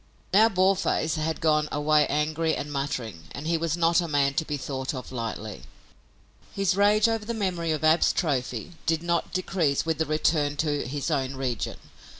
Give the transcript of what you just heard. Now Boarface had gone away angry and muttering, and he was not a man to be thought of lightly. His rage over the memory of Ab's trophy did not decrease with the return to his own region.